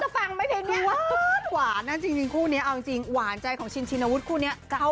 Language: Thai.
ผีไม่แกล้งให้น้องคอยน้ำ